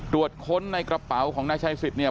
รวดค้นในกระเป๋าของนายชัยสิบเนี่ย